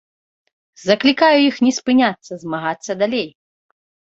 Заклікаю іх не спыняцца, змагацца далей!